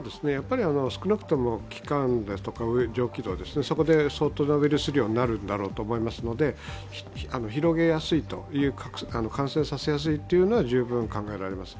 少なくとも器官ですとか上気道で相当なウイルス量になると思いますので広げやすい、感染させやすいというのは十分考えられます。